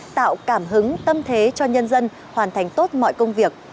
tạo cảm hứng tâm thế cho nhân dân hoàn thành tốt mọi công việc